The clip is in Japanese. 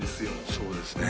そうですね